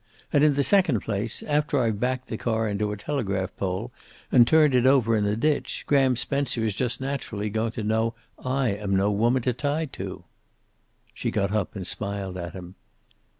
And in the second place, after I've backed the car into a telegraph pole; and turned it over in a ditch, Graham Spencer is just naturally going to know I am no woman to tie to." She got up and smiled at him.